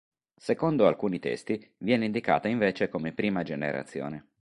Secondo alcuni testi viene indicata invece come prima generazione.